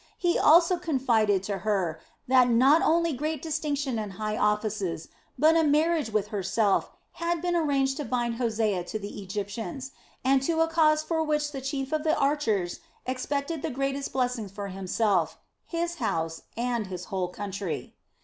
He also confided to her that not only great distinction and high offices, but a marriage with herself had been arranged to bind Hosea to the Egyptians and to a cause from which the chief of the archers expected the greatest blessings for himself, his house, and his whole country.